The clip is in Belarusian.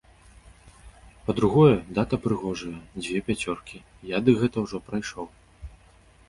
Па-другое, дата прыгожая, дзве пяцёркі, я дык гэта ўжо прайшоў.